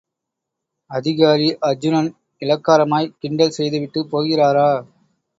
அதிகாரி அர்ச்சுனன், இளக்காரமாய் கிண்டல் செய்துவிட்டுப் போகிறாரா?